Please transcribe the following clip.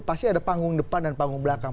pasti ada panggung depan dan panggung belakang